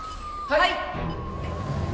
はい。